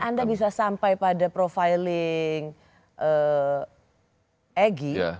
tapi anda bisa sampai pada profiling egi